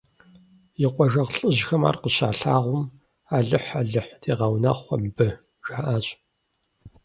И къуажэгъу лӀыжьхэм ар къыщалъагъум, алыхь – алыхь дегъэунэхъу мыбы, жаӀащ.